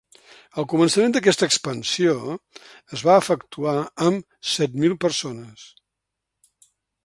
El començament d'aquesta expansió es va efectuar amb set mil persones.